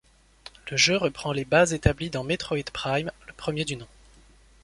Le jeu reprend les bases établies dans Metroid Prime, premier du nom.